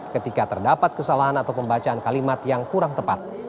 ketika terdapat kesalahan atau pembacaan kalimat yang kurang tepat